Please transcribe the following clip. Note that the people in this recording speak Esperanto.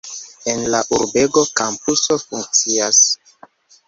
En la urbego kampuso funkcias.